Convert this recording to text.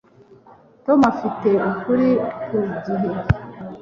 tom afite ukuri ku gihe